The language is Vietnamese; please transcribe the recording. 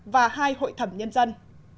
và hai hội thẩm nhân dân